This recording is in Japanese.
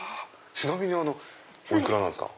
ちなみにお幾らなんですか？